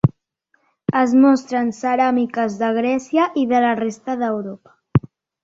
Es mostren ceràmiques de Grècia i de la resta d'Europa.